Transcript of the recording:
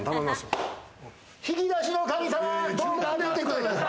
引き出しの神様！